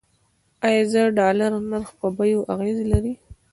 آیا د ډالر نرخ په بیو اغیز لري؟